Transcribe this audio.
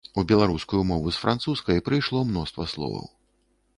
У беларускую мову з французскай прыйшло мноства словаў.